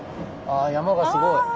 ああ山がすごい。